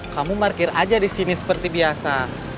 kamu markir aja disini seperti biasa